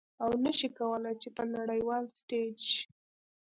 او نشي کولې چې په نړیوال ستیج